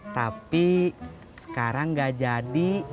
tapi sekarang nggak jadi